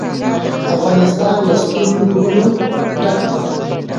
افغانستان له ستوني غرونه ډک دی.